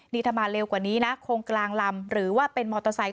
นี่ถ้ามาเร็วกว่านี้นะคงกลางลำหรือว่าเป็นมอเตอร์ไซค